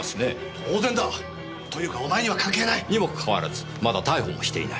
当然だ。というかお前には関係ない。にもかかわらずまだ逮捕もしていない。